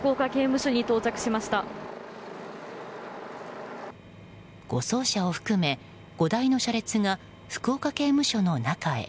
護送車を含め、５台の車列が福岡刑務所の中へ。